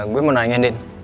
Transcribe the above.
gue mau nanya andien